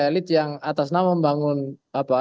elit yang atas nama membangun apa